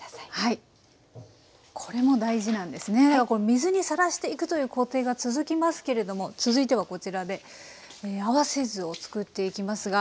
水にさらしていくという工程が続きますけれども続いてはこちらで合わせ酢を作っていきますが。